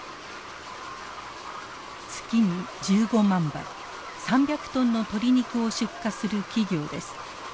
月に１５万羽３００トンの鶏肉を出荷する企業です。